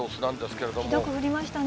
ひどく降りましたね。